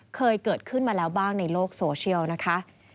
เคยเกิดขึ้นมาแล้วบ้างในโลกโซเชียลนะคะ